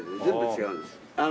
全部違うんです。